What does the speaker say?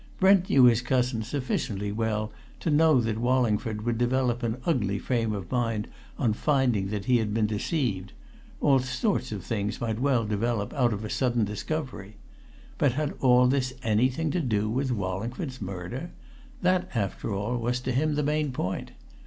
Brent knew his cousin sufficiently well to know that Wallingford would develop an ugly frame of mind on finding that he had been deceived all sorts of things might well develop out of a sudden discovery. But had all this anything to do with Wallingford's murder? That, after all, was, to him, the main point.